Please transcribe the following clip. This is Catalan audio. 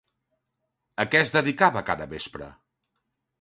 A què es dedicava cada vespre?